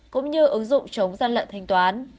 cũng như ứng dụng chống gian lận thanh toán